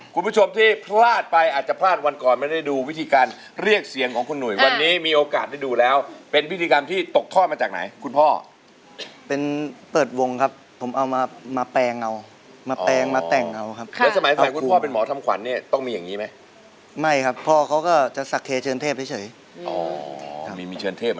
คุณผู้ชมที่พลาดไปอาจจะพลาดวันก่อนไม่ได้ดูวิธีการเรียกเสียงของคุณหนุ่ยวันนี้มีโอกาสได้ดูแล้วเป็นพิธีกรรมที่ตกทอดมาจากไหนคุณพ่อเป็นเปิดวงครับผมเอามามาแปลงเอามาแปลงมาแต่งเอาครับแล้วสมัยก่อนคุณพ่อเป็นหมอทำขวัญเนี่ยต้องมีอย่างงี้ไหมไม่ครับพ่อเขาก็จะสักเคเชิญเทพเฉยอ๋อเชิญเทพ